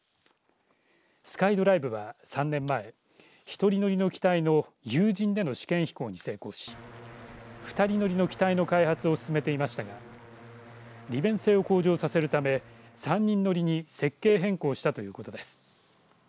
ＳｋｙＤｒｉｖｅは３年前１人乗りの機体の有人での試験飛行に成功し２人乗りの機体の開発を進めていましたが利便性を向上させるため３人乗りに設計変更したということです。